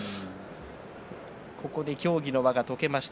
ここで協議の輪が解けました。